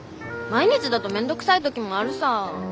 毎日だと面倒くさい時もあるさー。